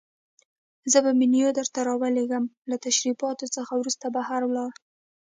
زه به منیو درته راولېږم، له تشریفاتو څخه وروسته بهر ولاړ.